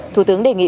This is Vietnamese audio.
thủ tướng đề nghị